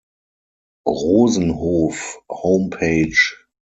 Rosenhof Homepage